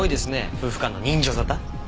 夫婦間の刃傷沙汰。